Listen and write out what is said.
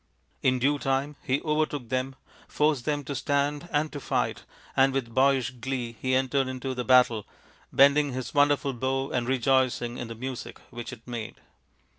In due time he overtook them, forced them to stand and to fight, and with boyish glee he entered into the battle, bending his wonderful bow and rejoicing in the music which it made.